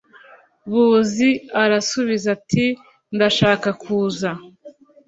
buzi arasubiza ati ndashaka kuza